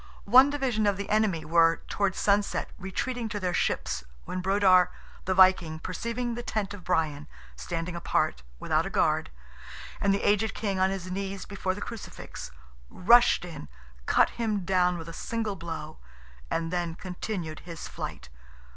One division of the enemy were, towards sunset, retreating to their ships, when Brodar, the Viking, perceiving the tent of Brian, standing apart, without a guard, and the aged king on his knees before the Crucifix, rushed in, cut him down with a single blow, and then continued his flight.